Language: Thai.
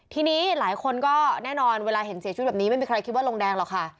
ทีนี้หลายคนก็แน่นอนเวลาเห็นเสียชีวิตแบบนี้ไม่มีใครคิดว่าลงแดงหรอกค่ะ